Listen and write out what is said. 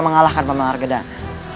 mengalahkan pemalar gedang